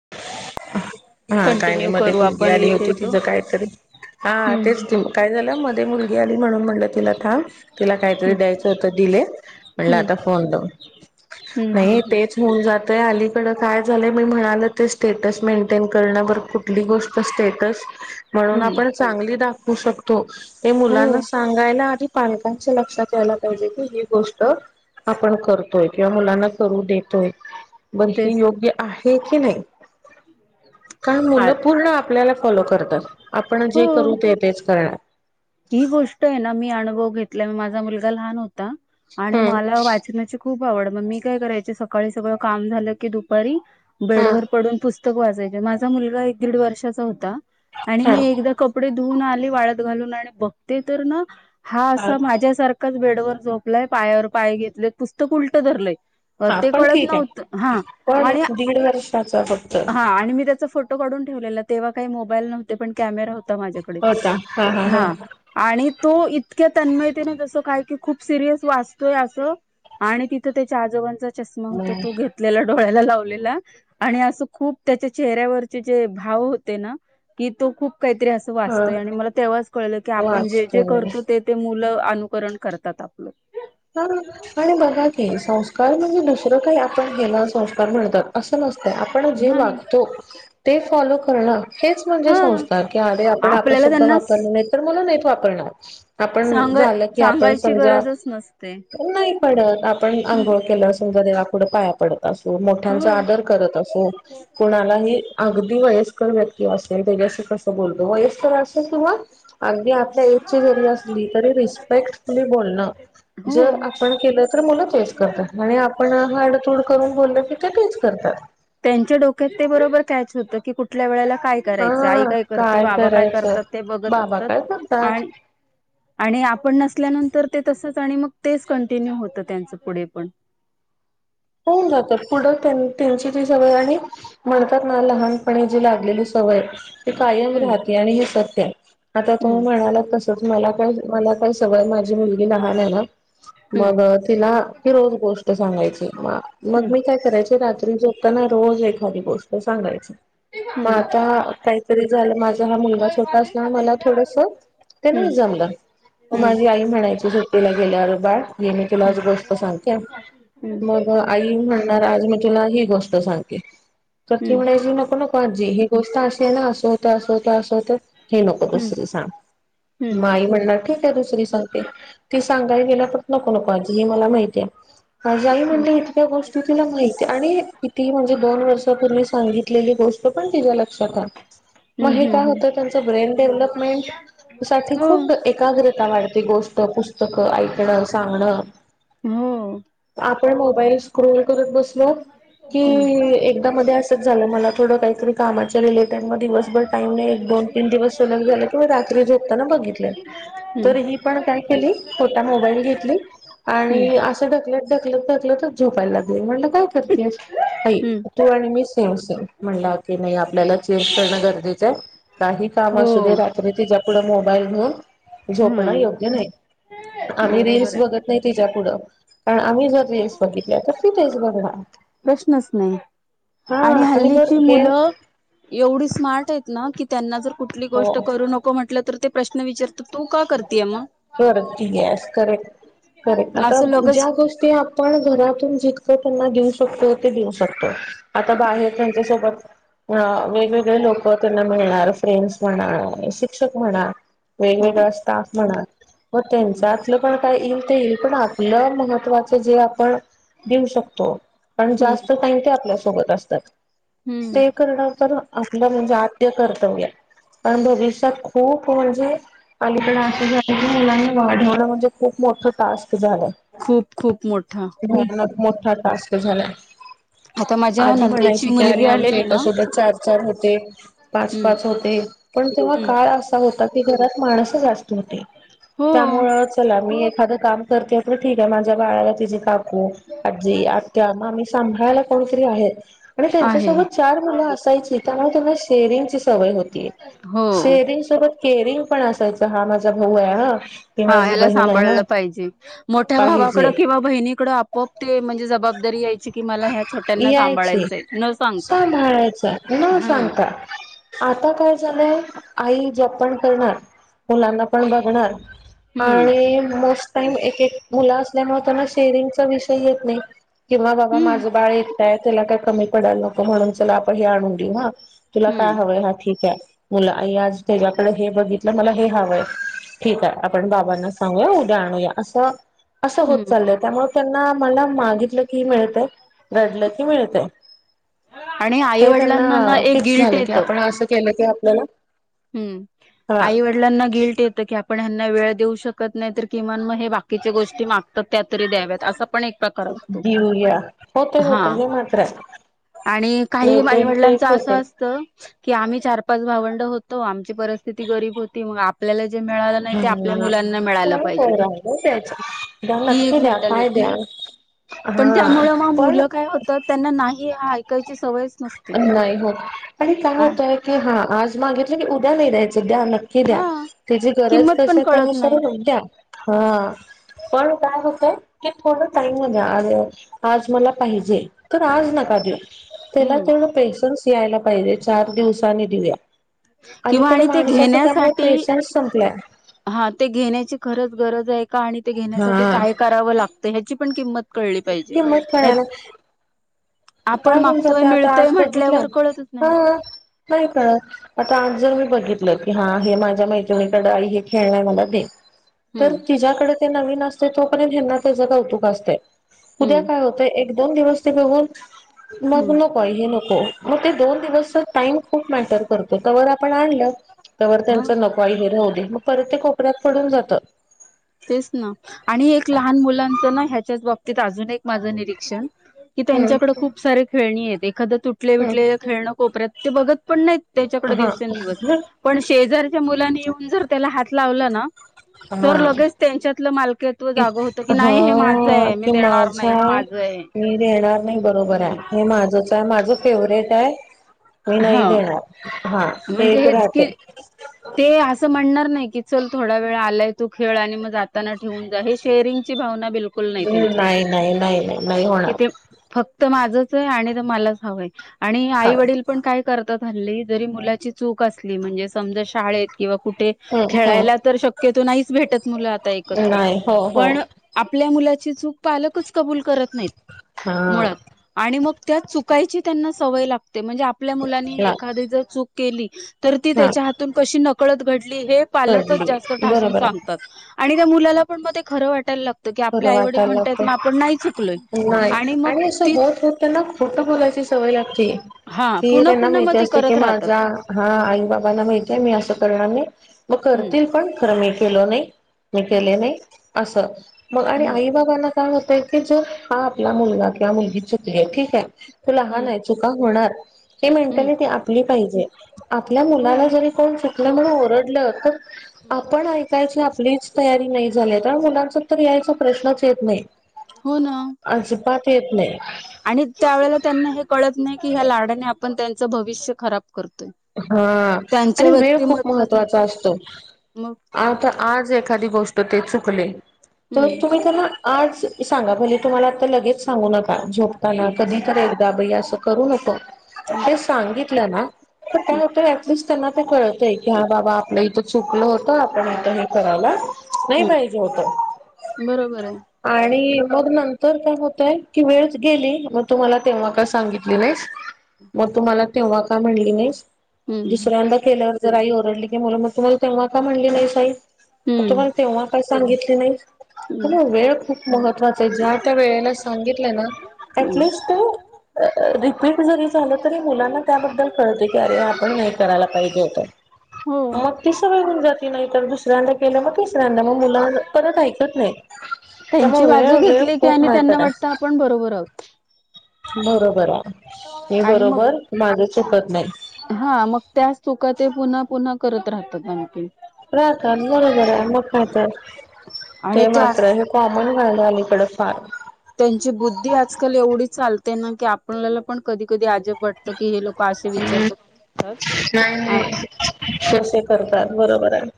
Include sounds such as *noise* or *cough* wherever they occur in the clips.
*inaudible* हा काय नाही कंटिन्यू मध्ये करू मुलगी आपण आली विषय होती तो तिचं कायतर हा तेच हम्म की काय झालं मध्ये मुलगी आली म्हणून म्हलं तिला थांब तिला काहीतरी हम्म द्यायचं होतं. दिल म्हणलं हम्म आता फोन लावू, हम्म हम्म नाही हम्म तेच होऊन जातंय आली. काड काय झालंय मी म्हणाल ते स्टेटस मेंटेन करणं बर खूप ली गोष्ट स्टेटस म्हणून हम्म आपण चांगली दाखवू शकतो. ते मुलांना हो सांगायला आणि पालकांच्या लक्षात यायला पाहिजे की ही गोष्ट आपण करतोय किंवा मुलांना करू देतोय. बर हे तेच योग्य आहे की नाही. कारण मुलं चाल पूर्ण आपल्याला फॉलो करतात आपण जे करू हो ते तेच करणार. ही गोष्ट आहे ना मी अनभव घेतल्या माझा मुलगा लहान हो. ता, आणि हम्म मला वाचनाची खू खूप आवड मग मी काय करायचे सकाळी सगळं काम झालं की दुपारी बेड हा वर पडून पूस कत वाचायच माझा मुलगा एक दीड वर्षाचा होता आणि मी हा एकदा कपडे धुन आली वाळत घालून आणि बघते तर ना हा असा माझ्या सारख काच बेड ववर झोपलाय पायावर पाय घेतलेत पुस्तक उलटंधरलंय. हा ते पण कळत ठीक नव्हत आहे हा पण आणि दीड वर्षाचा फक्त हा आणि मी त्याचा फोटो काढून ठेवले तेव्हा काही मोबाईल नव्हते पण कॅमेरा होता माझ्याकडे हा. आणि तो इतक्या तन्मयतीने तसं काय की खूप सिरियस वाचतोय असं. आणि तिथं त्याच्या आजोबांचा चष्मा होता तो हा घेतलेला. डोळ्याला लावलेला आणि असं खूप त्याच्या चेहऱ्यावरचे जे भाव होते ना कि तो खूप काहीतरी अस वाचतोय आणि मला तेव्हाच कळलं की आपण जे जे वाचतोय करतो ते ते. मुलं अनुकरण करतात आपलं. हा आणि बघा क संस्कार म्हणजे दुसरं काही आपण गला आपो. नाही म्हणजे हा संस्था की आ आपण आपल्याला आपसद्धा त्यांना वापरल नाही तर मला नाहीत वापरणार. आपण सांगाय झालं की आपण सांगायची समजा गरजच नसते नाही पडत आपण हम्म आंघोळ केलं समजा देवा कुढं पाया पडत. हो मोठ्यांचा आदर करत असो कणालाही अ ती वयस्कर व्यक्ती असेल तेस कसं बोलतो वयस्कर अस. किंवा अगदी आपल्या एजची जरी असली तरी रिस्पेक्टफुली बोलणं. हो जर आपण केलं. मुलं तेच करतात आणि आपण हाडतूड करून बोलल की ते तेच करतात. त्यांच्या डोक्यात ते बरोबर कायच होतं की कुठल्या वेळेला काय करायचं आई हा काय करते बाबा काय करायचं करतात ते बघत बाबा काय असतात करतात आणि आणि आपण नसल्यानंतर ते तसच. आणि मग तेच कंटिन्यू होत त्यांच पुढे पण होऊन जातात पुढं त्यांची तेी सगळ आणि म्हणतात ना लहान जी लागलेली सवय ती कायम हम्म राहते आणि हे सत आता तुम्ही हम्म म्हणाला मला काय मला. काय सगळ माझी मुलगी लहान आहे ना. मग तिला ही रोज गोष्ट सांगायची. मग हम्म मी काय करायचे. रात्री झोपताना रोज एखादी गोष्ट सांगायची. हम्म मग आता काहीतरी झालं माझ. हा मुलगा छोटा असणार. मला थोडस ते नाही जमलं. म हम्म माझी आई म्हणायची सुट्टीला गेल्यावर बाळ ही मी तुला हम्म आज गोष्ट सांगते. हम्म हम्म मग आई म्हणणार आज मी तुला ही गोष्ट सांगते तर ती म्हणायची नको-नको आजी ही गोष्ट असे आहे. ना असं होत. अस होतं. असं होत. हे नको हम्म हम्म दुसरी हम्म सांग आई म्हणणार की. ते दुसरी सांगते ती सांगाय गेल्याव परत नको नकोे *unintelligible* ही मला माहितीय. जाई म्हणली हम्म इतक्या गोष्टी तुला माहित आणि कितीही म्हणजे दोन वर्षापूर्वी सांगितलेली गोष्ट पण तिच्या लक्षात हाय, मग हम्म हम्म हे काय हम्म होत त्यांचं ब्रेन डेव्हलपमेंट साठी हम्म खूप एकाग्रता वाढते गोष्ट पुस्तकं ऐकणं, सांगणं. हो आपण मोबाईल स्क्रोल करत बसलो, की हम्म एकदा मध्ये असच झालं मला थोडं कायतरी कामाच्या रिलेटेड मधी दिवसभर टाईम नाय, एक दोन हम्म. तीन दिवस सलग झालं की मग रात्री झोपताना बघितलं, तर ही पण काय केली, खोटा मोबाईल घेतली हम्म आणि असं ढकल ढकलत ढकलतंच झोपायला लागली, म्हणलं काय करतेस? ताई हम्म तू आणि मी सेम सेम, म्हणलं *unintelligible* आपल्याला चेंज करणं गरजेचं आहे, काही काम हो असू दे रात्री तिच्या पुुढं मोबाईल घेऊन झोपणं हम्म योग्य नाही, आम्ही बरोबर रील्स आहे बघत नाही तिच्या पुुढं. आम्ही जर रिल्स बघितल्या तर ती तेच बघणार. प्रश्नच नाही. हा आणि बर हल्लीची हे मुलं एवढी स्मार्ट आहेत ना की त्यांना जर कुठली हो गोष्ट करू नको म्हटलं तर ते प्रश्न विचारत तू का करतेय मग करती गॅस करे करे आता असं लगच ज्या गोष्टी आपण घरातून जितकं त्यांना देऊ शकतो ते देऊ शकतो, आता हम्म बाहेर त्यांच्यासोबत अ वेगवेगळे लोकं त्यांना मिळणार फ्रेंड्स म्हणा शिक्षक म्हणा हम्म वेगवेगळा स्टाफ म्हणा, व हम्म त्यांच्यातलं पण काही ता येईल पण आपलं महत्त्वाचं जे आपण देऊ शकतो. पण हम्म जास्त टाईम ते आपल्यासोबत असतात. हम्म ते करणं पण आपलं म्हणजे आ कर्तव्य आणि भविष्यात खूप म्हणजे अली कडे पण असं झालंय की मुलांनी वाढवलं म्हणजे खूप मोठं टास्क. झालं. खूप खूप मोठा *unintelligible* मोठा टास्क झालाय. आता माझ्या आजी नंदेची म्हणायची की मुलगी अरे आमच्या आलेली ना एकासोबत. चार-चार होते. हम्म पाच-पाच होते पण तेव्हा हम्म काळ असा होतात की घरात माणसं जास्त होती, हो त्यामुळे चला मी एखाद काम करते ठीक आहे माझ्या बाळाला तिचे काकू. आजी. आत्या. मग आम्ही सांभाळायला कोणीतरी आहेत. आणि आहे त्यांच्यासोबत चार मुलं असायची त्यामुळे त्यांना सेरिंगची सवय होती. हो सेरिंग सोबत केयरिंग पण असायची. हा माझा भाऊ आहे हा ही हा माझी ह्याला बहीण आहे हा सांभाळलं पाहिजे. मोठ्या भावाकड पाहिजे किंवा बहिणीकड आप-आप ते म्हणजे जबाब जबाबदारी यायची की मला ह्या छोट्यांना यायची सांभाळायचंय न सांगता. सांभाळायचं न ह. सांगता आता काय झालंय आई जॉब पण करणार. मुलांना पण बघणार हम्म आणि मोस्ट टाईम एक-एक मुलं असल्यामुळे त्यांना शेरिंगचा विषय येत नाही. किंवा बाबा हम्म माझं बाळ एकट हाय. त्याला काय कमी पडाला नको म्हणून चला आपण हे आणून देऊ ना. तुला काय हम्म हवंय हा ठीक आहे. मुलं आ आज त्याच्याकडे हे बघितलं मला हे हवंय ठीक आहे. आपण बाबांना सांगूया उद्या आणूया असं. असं होत हम्म चाललंय. त्यामुळे त्यांना मला मागितलं क की मिळते. घडलं की मिळते. आणि आई हे त्यांना वडिलांना ना एक फिक्स गिल्ट झाले की. येतं आपण असं केलं की आपल्याला हम्म हा आई वडलाना गिलट येत की आप आपण ह्यांना वेळ देऊ शकत नाही तर किमान मग हे बाकीच्या गोष्टी मागतात त्या तरी द्याव्यात असं. एक प्रकार असतो घेऊया होते होते ह. हे मात्र आहे आणि काही नाही ते ते आई-वडिलांच असं होते असतं. की आम्ही चार-पाच भावंड होतो. आमची परिस्थिती गरीब होती. मग आपल्याला जे मिळालं नाही ते आपल्या ह मुलांना मिळालं पाहिजे. काय राहिलं त्याच द्या ही एक नक्की द्या काय मेंटलिटी द्या असते. पण हा त्यामुळे म पण मुलं काय होत त्यांना नाही की हा ऐकत! नाही हो. आणि काय होतय की हा. आज मागितलं की उद्या नाही द्यायचं. द्या. नक्की द्या. हा त्याची गरज किंमत पण कशी कळत नाही त्यानुसार द्या ह. पण काय होतंय. की थोड टाईम मध्ये, आज मला पाहिजे तर आज नका देऊ. त्याला हम्म तेवढं थोडं पेशन्स यायला पाहिजे. चार दिवसाांनी दिऊ्या. किंवा अलीकड आणि ते माणसाचं त्यामुळे घेण्यासाठी पेशनस संपलाय. हा ते घेण्याची खरंच गरज आहे का. आणि ते घेण्यासाठी हा काय करावं लागतं ह्याची पण किंमत कळली पाहिजे किंमत नाहीं कळायला आपण काय होऊन मागतोय. जाते आता मिळतोय आज बघितलं म्हटल्यावर कळतच हा नाही. नाही कळत. आता आज जर मी बघितलं की हा हे माझ्या मैत्रिणीकडे आई हे खेळण आहे मला दे. तर हम्म तिच्या्याकडे ते नवीन असतय तोपर्य हेना त्याच कौतुक असतय. उद्या हम्म काय होतंय एक दोन दिवस त बघून मग हम्म नको हे. नको. मग ते दोन दिवस टाइम खूप मॅटर करतो तवर आपण आणली. तवर हा त्यांच नको हाय हे राहूदे मग परत ते कोपऱ्यात पडून जात. तेच ना. आणि एक लहान मुलांचं ना ह्याच्याच बाबतीत अजून एक माझं निरीक्षण. की हम्म त्यांच्याकडे खूप सारे खेळणी आहेत. एखाद तुटले-बीटलेल हम्म खेळणं कोपऱ्यात ते बघत पण नाहीत. त्याच्याकडे हा दिवसेंदिवस पण शेजार त्या मुलांनी येऊन जर त्याला हात लावला ना. हा. तर लगेच त्यांच्यातलं मालकीत्व इ जागं होतं की हा. नाही हे माझं आहे मी की देणार नाही माझा हे माझं आहे मी देणार नाही. बरोबर हम्म आहे. हे माझंच आहे. माझं फेवर्हेट आहे. मी नाही हा देणार. हा हे म्हणजे एक हेच की राहते. ते असं म्हणणार नाही की. चल थोडा वेळ आलाय तू खेळ आणि मग जाताना ठेवून जा हे शेअरिंग. बिकुल नाही त्यांच्यात नाही नाही नाही नाही की होणार ते फक्त. त माझच आहे आणि मलाच हवं आहे. आणि हा आई वडील पण काय. करतात. हल्ली जरी मुलाची चूक असली म्हणजे समजा शाळेत किंवा कुठे हम्म खेळायला हम्म तर शक्यतो नाहीच भेटत मुलं आता एकत्र नाही हो हो पण आपल्या मु ची चूक पालकच कबुल करत नाही हा मुळात आणि मग. त्या चुकायची त्यांना सवय लागते. म्हणजे आपल्या मुलांनी ला एखादी जर चूक केली. तर ती हा त्याच्या हात नकळत घडली हे पालक घडली जातून ठासून बरोबर आहे सांगतात आणि. त्या मुला पण म ते खरं वाटयला लातं. खरं वाटायलागत चुकलोय नाही. मग आणि असं तीच होत-होत त्यांना खोट बोलायची. सवय लागते. हा की पुन्हा त्यांना पुन्हा मग माहिती ते असते की करत राहतात माझा हा आई बाबांना माहिती. ते मी असं करणार नाही. मग हम्म करतील पण खरं मी केल नाही. मी हम्म केले नाही. असं मग आणि आई बाबांना. काय होतय की जर हा आपला मुलगा किंवा. मुलगी चुकली ठीक आहे. तो लहान हम्म हाय चुका होणार. हे हम्म मेंटलिटी आपली पाहिजे. आपल्या हो मुलाला जरी कोण चुकलं म्हणून ओरडलं तर ती आपण ऐकायची आपलीच तयारी नाही झाली कारण मुलांचा तर यायचा प्रश्नच येत नाही हो ना अजिपात येत नई. आणि त्यावेळेला त्यांना हे कळत नई की ह्या लाडाने आपण त्यांच भविष्य खराब करतो. हा आणि वेळ खूप महत्वाचा राहतोय असतो, मग आता आज ज गोष्ट टे चुकले, तर हम्म तुम्ही त्यांना आज सांगा, भले तुम्हाला आता लगेच सांगू नका झोपताना हम्म कधी तर ए दा बई अस करू नको, हं हे सांगितलं ना तर काय हं होतय ऍटलीस त्यांना ते कळतय की हा बाबा आपलं इथं चुकलं होतं, आपण इथं हे करायला नाही हं पाहिजे होत बरोबर आहे. आणि मग नंतर काय होतय की वेळच गेली मग तू मला तेव्हा का सांगितली नाहीस. मग तू मला तेव्हा का म्हणली नइस? हं दुसऱ्यांदा केल्यावर जर आई ओरडली की, मुल मग तू मला तेव्हा का म्हणली नईस आई म तु मला हं तेव्हा काय सांगितली नईस? हं *unintelligible* वेळ खूप महत्वाचा आहे ज्या त्या वेळेला सांगितलं ना हं ऍटलिस्ट अ अ रिपीट जरी झाल तरी मुलांना त्याबद्दल कळते *unintelligible* आपण नाही करायला पाहिजे होत, हो. मग ती सवय होऊन जाती नाही तर दुस ऱ्यांदा केलं मग तिसऱ्यांदा, मग मुल परत ऐकत नाई. त्यांची बाजू घेतली की आणि त्यांना वाटत आपण बरोबर आहोत. बरोबराय, मी आणि मग बरोबर माझं चुकत नाही. हा मग त्याच चुका ते पुन्हा पुन्हा करत राहतात आणखीन राहतात बरोबराय मग काय तर, आणि ते त्या मात्र हे कॉमण व्हायलंय आलीकड फार त्यांची बुद्धी आजकाल एवढी चालते ना की, आपल्याला पण कधी कधी आ हम्म नाई आ नाई कसे करतात. बरोबराय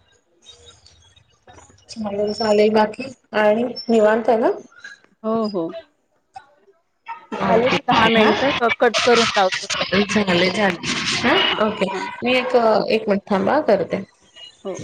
*unintelligible* चाले बाकी आणि निवांत ना? हो हो. *unintelligible* झाले ना दहा के हा, मिनिटं क कट करून लावते *unintelligible* परत. झाले झाले हा ओके नई एक एक मिनट थांबा करते. हो.